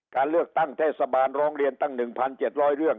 การเลือกตั้งเทศบาลร้องเรียนตั้ง๑๗๐๐เรื่อง